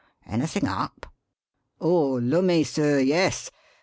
Anything up?" "Oh, lummy, sir, yes!